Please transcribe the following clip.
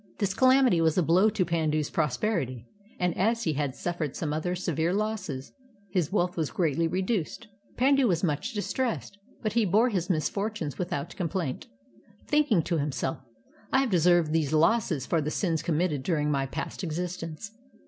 This calamity was a blow to Pandu's prosper ity, and as he had suffered some other severe losses his wealth was greatly reduced, 52 KARMA: A STORY OF BUDDHIST ETPIICS Pandu was much distressed, but he bore his misfor tunes without complaint, thinking to himself: "I have deserved these losses for the sins committed during my past existence.